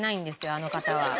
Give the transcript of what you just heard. あの方は。